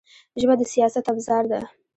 ژبه د سیاست ابزار ده